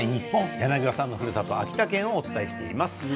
柳葉さんの、ふるさと秋田県をお伝えしています。